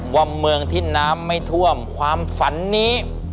เมืองที่น้ำไม่ท่วมความฝันนี้